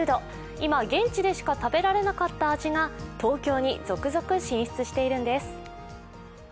今、現地でしか食べられなかった味が東京に続々進出しているんです。